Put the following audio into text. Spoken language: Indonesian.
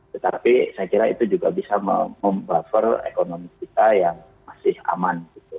tetapi saya kira itu juga bisa mem buffer ekonomi kita yang masih aman